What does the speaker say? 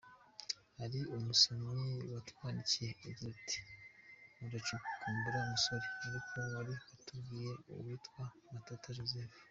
Hari umusomyi watwandikiye agira ati : uracukumbura musore, ariko wari watubwira uwitwa Matata joseph ?